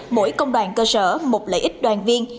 mỗi công đoàn cơ sở một lợi ích đoàn viên